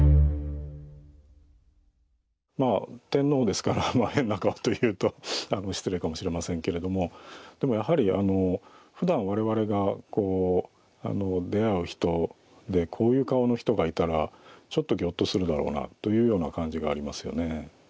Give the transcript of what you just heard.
まあ天皇ですから変な顔と言うと失礼かもしれませんけれどもでもやはりあのふだん我々がこう出会う人でこういう顔の人がいたらちょっとぎょっとするだろうなというような感じがありますよね。